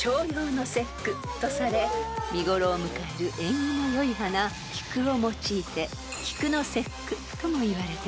［見頃を迎える縁起の良い花菊を用いて菊の節句ともいわれています］